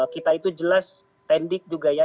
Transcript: kita itu jelas tendik juga ya